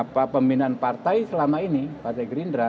pembinaan partai selama ini partai gerindra